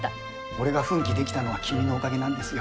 俺が奮起できたのは君のおかげなんですよ。